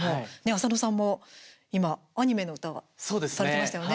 浅野さんも今アニメの歌されてましたよね。